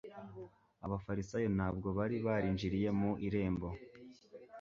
Abafarisayo ntabwo bari barinjiriye mu irembo.